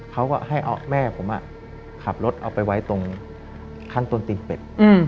เขาก็ให้เอาแม่ผมขับรถเอาไปไว้ตรงขั้นต้นตีนเป็ด